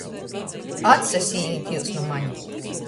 Atsasīnit jius nu mani!